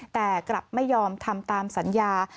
แต่กลับไม่ยอมทำตามสัญญา